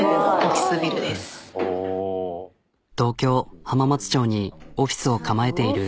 東京浜松町にオフィスを構えている。